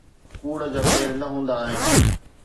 ڪوڙ جا پير نه هوندا آهن